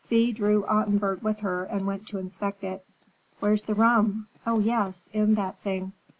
Thea drew Ottenburg with her and went to inspect it. "Where's the rum? Oh, yes, in that thing!